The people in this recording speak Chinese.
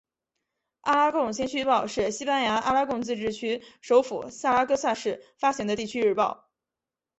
阿拉贡先驱报是西班牙阿拉贡自治区首府萨拉戈萨市发行的地区日报。